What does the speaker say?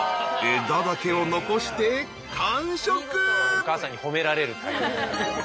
お母さんに褒められる。